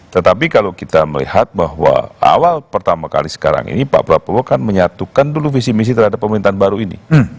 tetapi kalau kita melihat bahwa awal pertama kali sekarang ini pak prabowo kan menyatukan dulu visi misi terhadap pemerintahan baru ini